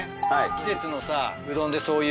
季節のさうどんでそういう。